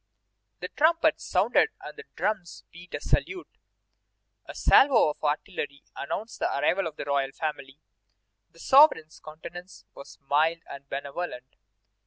The trumpets sounded and the drums beat a salute. A salvo of artillery announced the arrival of the royal family. The sovereign's countenance was mild and benevolent.